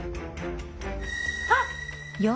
あっ！